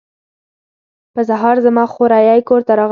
په سهار زما خوریی کور ته راغی.